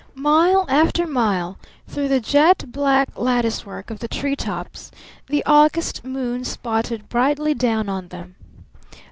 Mile after mile through the jet black lattice work of the tree tops the August moon spotted brightly down on them.